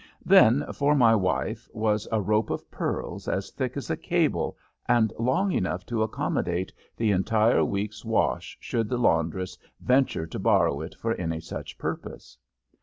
Then for my wife was a rope of pearls as thick as a cable, and long enough to accommodate the entire week's wash should the laundress venture to borrow it for any such purpose.